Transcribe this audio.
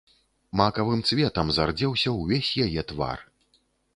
Макавым цветам зардзеўся ўвесь яе твар.